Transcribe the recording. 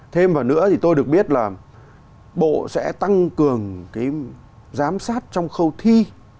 thêm vào nữa thì tôi được biết là bộ sẽ tăng cường cái giám sát trong khâu thi